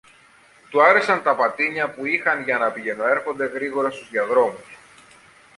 Του άρεσαν τα πατίνια που είχαν για να πηγαινοέρχονται γρήγορα στους διαδρόμους